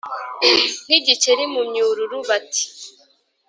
–nk’igikeri mu myururu, bati: